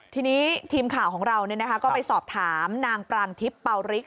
ทีนี้ทีมข่าวของเราก็ไปสอบถามนางปรางทิพย์เปาริก